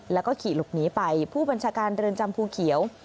แล้วก็ขี่หลบหนีไปผู้บัญชาการเรือนจำภูเขียว